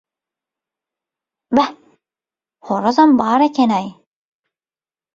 Bäh, horazam bar eken-aý.